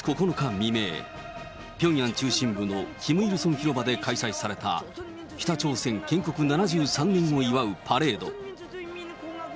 未明、ピョンヤン中心部のキム・イルソン広場で開催された北朝鮮建国７３年を祝うパレード。